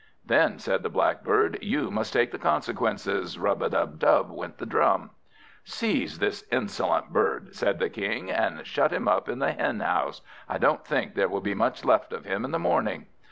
"Then," said the Blackbird, "you must take the consequences." Rub a dub dub went the drum. "Seize this insolent bird," said the King, "and shut him up in the henhouse. I don't think there will be much left of him in the morning."